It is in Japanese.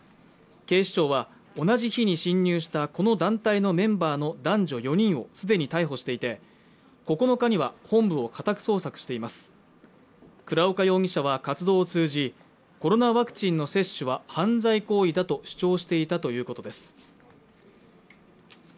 警視庁は同じ日に侵入したこの団体のメンバーの男女４人をすでに逮捕していて９日には本部を家宅捜索しています倉岡容疑者は活動を通じコロナワクチンの接種は犯罪行為だと主張していたということです